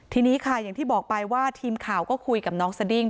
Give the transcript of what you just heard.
ทีนี้ค่ะอย่างที่บอกไปว่าทีมข่าวก็คุยกับน้องสดิ้ง